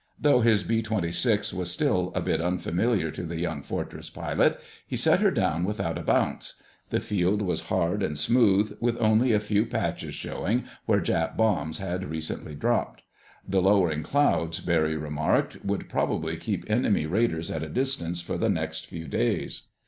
Though his B 26 was still a bit unfamiliar to the young Fortress pilot, he set her down without a bounce. The field was hard and smooth, with only a few patches showing where Jap bombs had recently dropped. The lowering clouds, Barry remarked, would probably keep enemy raiders at a distance for the next few days.